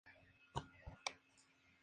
Contiene muchas zonas glaciares.